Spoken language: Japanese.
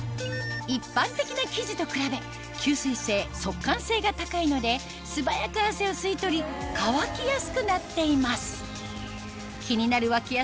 一般的な生地と比べ吸水性速乾性が高いので素早く汗を吸い取り乾きやすくなっています